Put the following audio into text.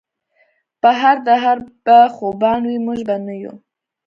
پۀ هر دهر به خوبان وي مونږ به نۀ يو